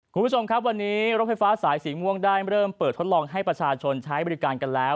คุณผู้ชมครับวันนี้รถไฟฟ้าสายสีม่วงได้เริ่มเปิดทดลองให้ประชาชนใช้บริการกันแล้ว